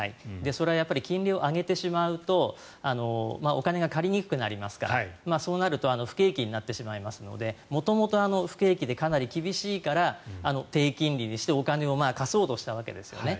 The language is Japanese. それは金利を上げてしまうとお金を借りにくくなりますからそうなると不景気になってしまいますので元々、不景気でかなり厳しいから低金利にしてお金を貸そうとしたわけですね。